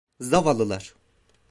Zavallılar!